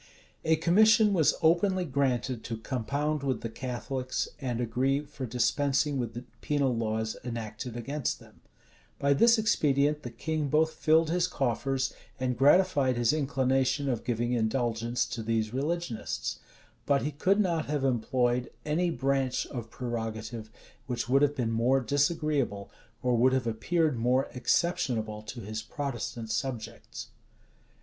A commission was openly granted to compound with the Catholics, and agree for dispensing with the penal laws enacted against them.[*] By this expedient, the king both filled his coffers, and gratified his inclination of giving indulgence to these religionists; but he could not have employed any branch of prerogative which would have been more disagreeable, or would have appeared more exceptionable to his Protestant subjects.